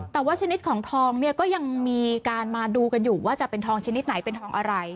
แต่ว่าชนิดของทองเนี่ยก็ยังมีการมาดูกันอยู่ว่าจะเป็นทองชนิดไหนเป็นทองอะไร